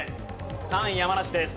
３位山梨です。